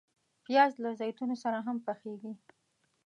پیاز له زیتونو سره هم پخیږي